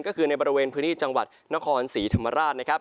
ก็คือในบริเวณพื้นที่จังหวัดนครศรีธรรมราชนะครับ